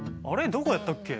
どこやったっけ？